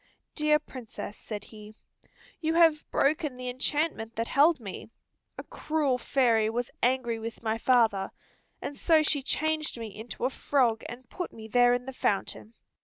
"Dear Princess," said he, "you have broken the enchantment that held me. A cruel fairy was angry with my father, and so she changed me into a frog, and put me there in the fountain.